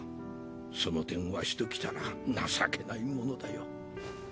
その点わしときたら情けないものだよ。